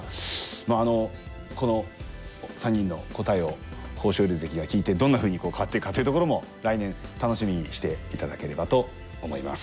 まぁこの３人の答えを豊昇龍関が聞いてどんなふうに変わっていくかというところも来年楽しみにして頂ければと思います。